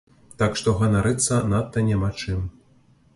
Так што ганарыцца надта няма чым.